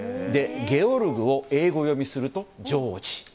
ゲオルグを英語読みするとジョージ。